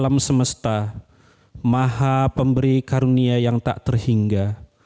alam semesta maha pemberi karunia yang tak terhingga